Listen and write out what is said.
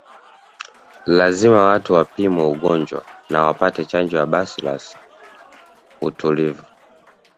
Lazima watu wapimwe ugonjwa na wapate chanjo ya bacillus utulivu